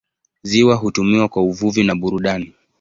Ziwa hutumiwa kwa uvuvi na burudani.